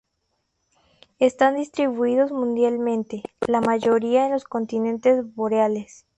Están distribuidos mundialmente, la mayoría en los continentes boreales.